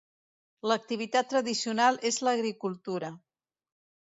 L'activitat tradicional és l'agricultura.